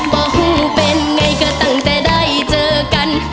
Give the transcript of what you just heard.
บอกเป็นไงก็ตั้งแต่ได้เจอกัน